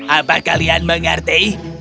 apa kalian mengerti